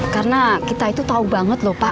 karena kita itu tau banget loh pak